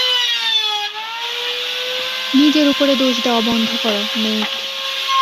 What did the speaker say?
নিজের উপরে দোষ দেওয়া বন্ধ কর, নেইট।